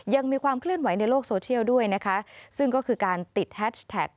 ยังมีความเคลื่อนไหวในโลกโซเชียลด้วยนะคะซึ่งก็คือการติดแฮชแท็ก